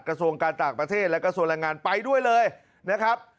กระทรวงการต่างประเทศและกระทรวงแรงงานไปด้วยเลยนะครับ